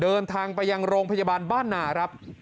เดินทางไปยังโรงพยาบาลบ้านหนาครับ